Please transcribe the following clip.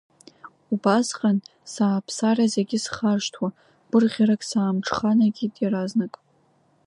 Убасҟан, сааԥсара зегьы схаршҭуа, гәырӷьарак саамҽханакит иаразнак…